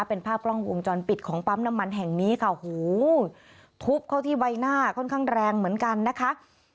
เป็นภาพกล้องวงจรปิดของปั๊มน้ำมันแห่งนี้ค่ะโหทุบเข้าที่ใบหน้าค่อนข้างแรงเหมือนกันนะคะ